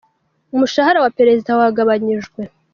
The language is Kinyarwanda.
Umushahara wa Perezida wagabanyijwe